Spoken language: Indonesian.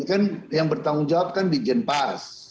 kan yang bertanggung jawab kan di jenpas